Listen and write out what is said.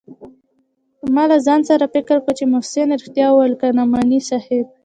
ما له ځان سره فکر کاوه چې محسن رښتيا وايي که نعماني صاحب.